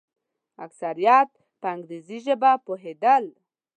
اکثریت په انګریزي ژبه پوهېدل.